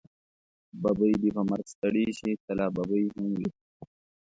ببۍ دې په مرګ ستړې شې، ته لا ببۍ هم وی.